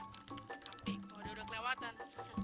tapi kalau dia udah kelewatan